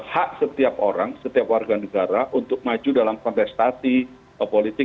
hak setiap orang setiap warga negara untuk maju dalam kontestasi politik